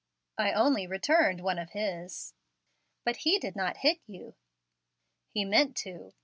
"I only returned one of his." "But he did not hit you." "He meant to.